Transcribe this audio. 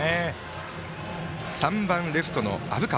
打者は３番レフトの虻川。